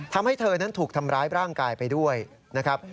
ทำให้เธอนั้นถูกทำร้ายร่างกายไปด้วยนะครับ